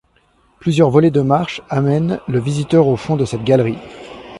Plusieurs volées de marches amènent le visiteur au fond de cette galerie.